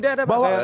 tidak ada masalah